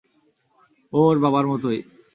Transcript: ও ওর বাবার মতোই।